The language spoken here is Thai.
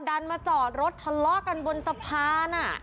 ดันมาจอดรถทะเลาะกันบนสะพาน